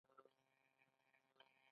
دوی ژوندي لوبسټر چین ته لیږي.